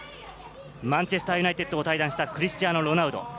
マンチェスター・ユナイテッドを退団したクリスティアーノ・ロナウド。